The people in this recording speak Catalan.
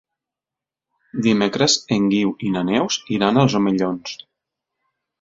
Dimecres en Guiu i na Neus iran als Omellons.